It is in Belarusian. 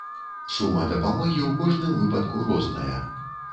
Сума дапамогі ў кожным выпадку розная.